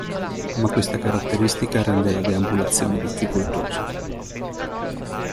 Ma questa caratteristica rende la deambulazione difficoltosa.